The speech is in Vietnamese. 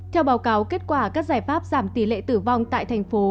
theo báo cáo kết quả các giải pháp giảm tỷ lệ tử vong tại thành phố